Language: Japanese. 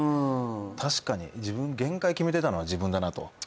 確かに限界決めたのは自分だなと。